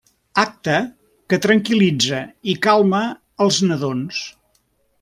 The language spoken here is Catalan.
Acte que tranquil·litza i calma els nadons.